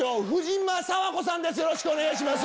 よろしくお願いします。